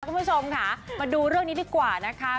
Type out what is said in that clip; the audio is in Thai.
คุณผู้ชมค่ะมาดูเรื่องนี้ดีกว่านะคะ